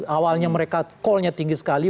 awalnya mereka call nya tinggi sekali